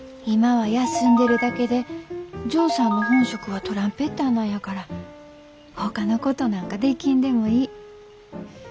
今は休んでるだけでジョーさんの本職はトランペッターなんやからほかのことなんかできんでもいい。